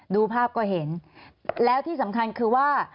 ดูภาพก็เห็นแล้วที่สำคัญคือว่า